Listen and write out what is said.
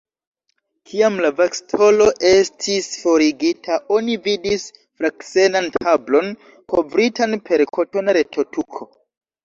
Kiam la vakstolo estis forigita, oni vidis fraksenan tablon, kovritan per kotona retotuko.